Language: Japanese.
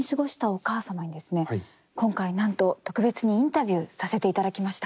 今回なんと特別にインタビューさせていただきました。